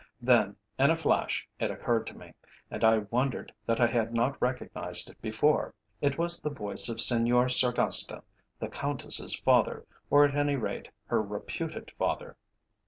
Then in a flash it occurred to me, and I wondered that I had not recognised it before. It was the voice of Senor Sargasta, the Countess's father, or at any rate her reputed father.